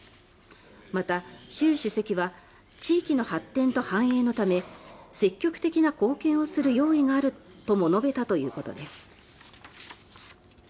また、習主席は地域の発展と繁栄のため積極的な貢献をする用意があるとも述べたということです。